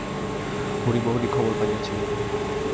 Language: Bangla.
হরিমোহিনী খবর পাইয়াছিলেন।